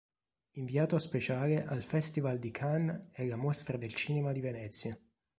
Inviato speciale al Festival di Cannes e alla Mostra del Cinema di Venezia.